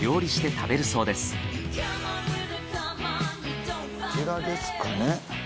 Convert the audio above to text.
こちらですかね。